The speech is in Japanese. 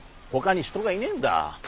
ほかに人がいねえんだ。